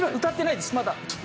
歌ってないですまだ。